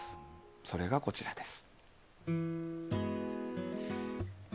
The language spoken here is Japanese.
それが、こちらです。